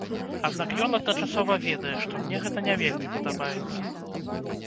Аднак ён адначасова ведае, што мне гэта не вельмі падабаецца.